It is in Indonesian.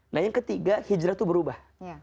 nah yang ketiga hijrah itu berubah